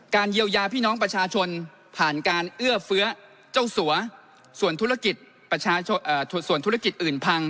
การเยียวยาพี่น้องประชาชนผ่านการเอื้อเฟื้อเจ้าสัวส่วนธุรกิจอื่นพัง